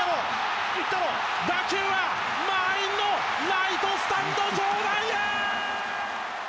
打球は満員のライトスタンド上段へ！